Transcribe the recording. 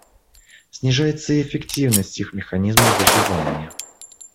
Снижается и эффективность их механизмов выживания.